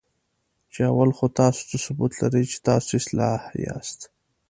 چې اول خو تاسو څه ثبوت لرئ، چې تاسو اصلاح یاست؟